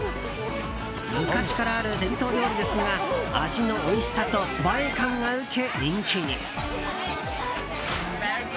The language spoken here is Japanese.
昔からある伝統料理ですが味のおいしさと映え感が受け人気に。